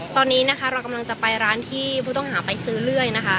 ตอนนี้นะคะเรากำลังจะไปร้านที่ผู้ต้องหาไปซื้อเรื่อยนะคะ